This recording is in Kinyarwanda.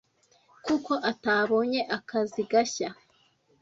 kuko atabonye akazi gashya